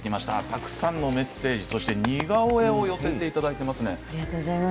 たくさんのメッセージそして似顔絵を寄せていただいています。